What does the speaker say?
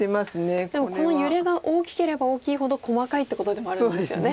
でもこの揺れが大きければ大きいほど細かいっていうことでもあるんですよね。